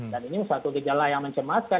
dan ini adalah satu gejala yang mencemaskan